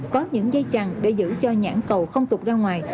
có những dây chằn để giữ cho nhãn cầu không tụt ra ngoài